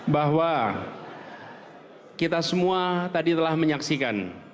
bahwa kita semua tadi telah menyaksikan